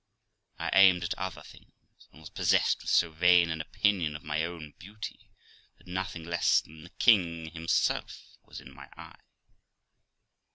I aimed at other things, and was possessed with so vain an opinion of my own beauty, that nothing less than the king himself was in my eye.